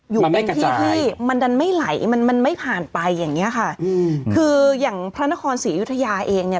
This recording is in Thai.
อยู่เป็นที่ที่มันดันไม่ไหลมันมันไม่ผ่านไปอย่างเงี้ยค่ะอืมคืออย่างพระนครศรีอยุธยาเองเนี่ย